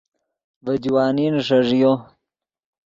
ڤے جوانی نیݰݱیو